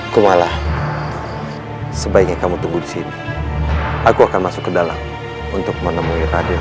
kumala sebaiknya kamu tunggu di sini aku akan masuk ke dalam untuk menemui raden